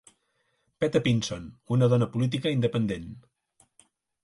Peta Pinson, una dona política independent.